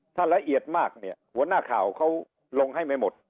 ถ้าละเอียดมากเนี่ยหัวหน้าข่าวเขาลงให้ไม่หมด